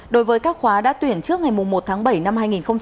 đối với các khóa đã tuyển trước ngày một tháng bảy năm hai nghìn một mươi chín